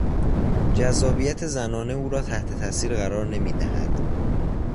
جذابیت زنانه او را تحت تاثیر قرار نمیدهد.